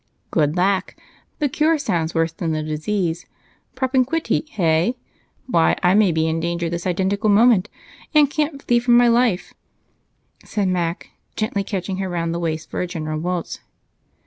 "Good lack! The cure sounds worse than the disease. Propinquity, hey? Why, I may be in danger this identical moment and can't flee for my life," said Mac, gently catching her round the waist for a general waltz.